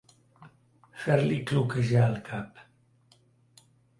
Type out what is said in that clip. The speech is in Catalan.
Fer-li cloquejar el cap.